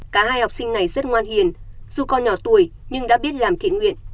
cả hai học sinh này rất ngoan hiền dù con nhỏ tuổi nhưng đã biết làm thiện nguyện